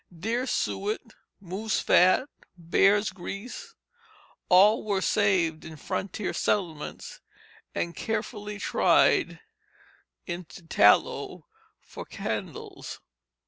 Deer suet, moose fat, bear's grease, all were saved in frontier settlements, and carefully tried into tallow for candles.